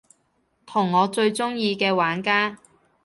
同我最鍾意嘅玩家